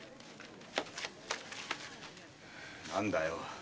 何だよ。